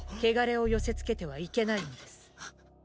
穢れを寄せ付けてはいけないのです。